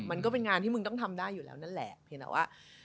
มันก็เป็นงานที่มึงต้องทำได้อยู่แล้วนั่นแหละเพียงแต่ว่า